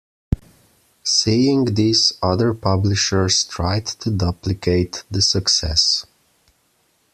Seeing this, other publishers tried to duplicate the success.